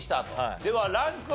ではランクは？